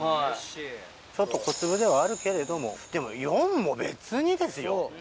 ちょっと小粒ではあるけれども、でも４も別にですよ。